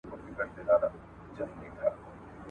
آیا په کلي کې اوس هم د اوبو د نوبت بحث وي؟